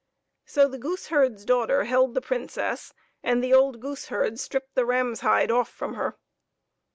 So the goose herd's daughter held the Princess, and the old goose herd stripped the ram's hide off from her.